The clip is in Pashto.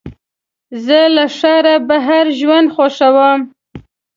زه له ښاره بهر ژوند خوښوم.